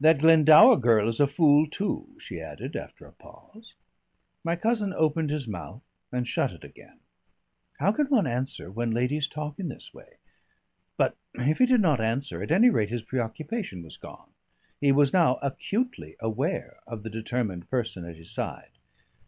"That Glendower girl is a fool too," she added after a pause. My cousin opened his mouth and shut it again. How can one answer when ladies talk in this way? But if he did not answer, at any rate his preoccupation was gone. He was now acutely aware of the determined person at his side.